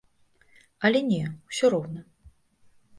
Але не, усё роўна.